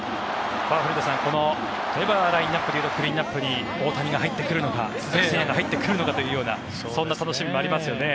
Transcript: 古田さん、ラインアップでいうとクリーンアップに大谷が入ってくるのか鈴木誠也が入ってくるのかというそんなシーンもありますよね。